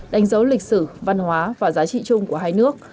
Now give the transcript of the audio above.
đánh dấu lịch sử văn hóa và giá trị chung của hai nước